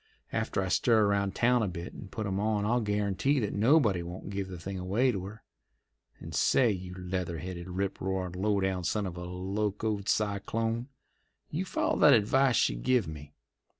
After I stir around town a bit and put 'em on I'll guarantee that nobody won't give the thing away to her. And say, you leather headed, rip roarin', low down son of a locoed cyclone, you follow that advice she give me!